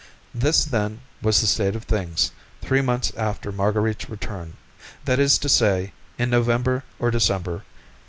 This, then, was the state of things three months after Marguerite's return; that is to say, in November or December, 1842.